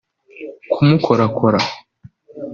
kumukorakora